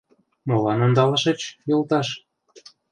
— Молан ондалышыч, йолташ?